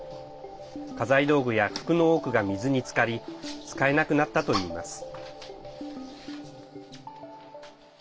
家財道具や服の多くが水につかり使えなくなったといいます。